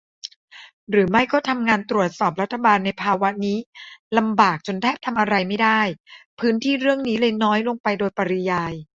หรือไม่ก็ทำงานตรวจสอบรัฐบาลในภาวะนี้ลำบากจนแทบทำอะไรไม่ได้ พื้นที่เรื่องนี้เลยน้อยลงไปโดยปริยาย ?